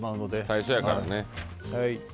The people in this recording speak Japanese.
最初やからね。